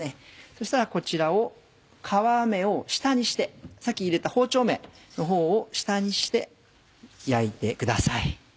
そうしたらこちらを皮目を下にしてさっき入れた包丁目のほうを下にして焼いてください。